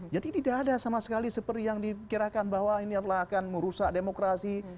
jadi tidak ada sama sekali seperti yang dikirakan bahwa ini adalah akan merusak demokrasi